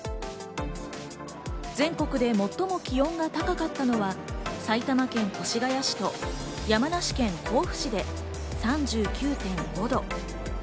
全国で最も気温が高かったのは埼玉県越谷市と山梨県甲府市で３９．５度。